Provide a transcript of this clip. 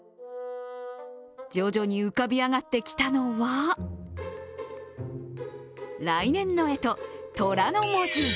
徐々に浮かび上がってきたのは来年のえと、とらの文字。